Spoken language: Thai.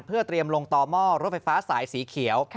เพื่อเตรียมลงต่อหม้อรถไฟฟ้าสายสีเขียว